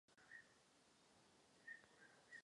Dneska se u nás vysávalo.